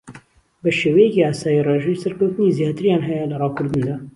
بە شێوەیەکی ئاسایی ڕێژەی سەرکەوتنی زیاتریان ھەیە لە ڕاوکردندا